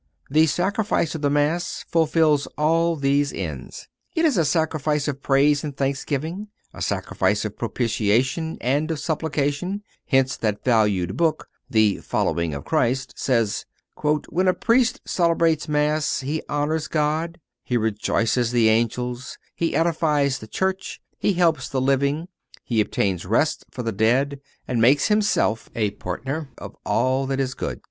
The Sacrifice of the Mass fulfils all these ends. It is a sacrifice of praise and thanksgiving, a sacrifice of propitiation and of supplication; hence that valued book, the "Following of Christ," says: "When a Priest celebrates Mass he honors God, he rejoices the angels, he edifies the church, he helps the living, he obtains rest for the dead, and makes himself a partaker of all that is good."